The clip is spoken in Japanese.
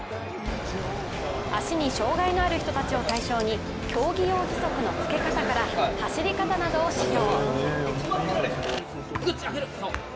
足に障害がある人たちを対象に競技用義足の付け方から走り方などを指導。